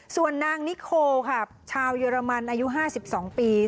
ส่วนนางนิโคค่ะชาวเยอรมันอายุ๕๒ปี